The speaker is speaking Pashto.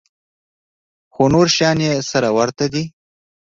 خو نور شيان يې سره ورته دي.